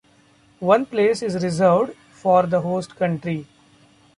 One place is reserved for the host country.